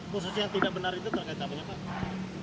khususnya tidak benar itu terkait apa